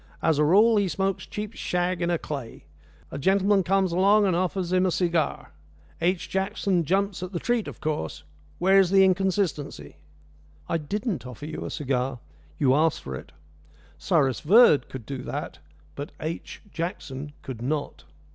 As a rule he smokes cheap shag in a clay. A gentleman comes along and offers him a cigar. H. Jackson jumps at the treat, of course. Where's the inconsistency?" "I didn't offer you a cigar. You asked for it. Cyrus Verd could do that, but H. Jackson could not."